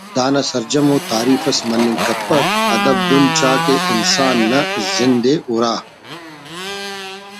دانا سرجمو تعریف ئس مننگ کپک ادب دُن چاہ کہ انسان نا زند ئے ہرا